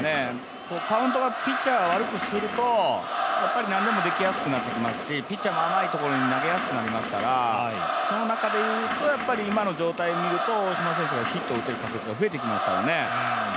カウントがピッチャー、悪くするとやっぱり波もできやすくなってきますし、ピッチャーも甘いところに投げやすくなりますから、その中でいうと今の状態を見ると大島選手がヒットを打てる確率が増えてきますからね。